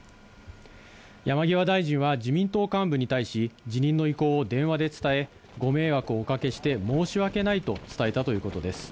山際大臣は自民党幹部に対し、辞任の意向を電話で伝え、ご迷惑をおかけして申し訳ないと伝えたということです。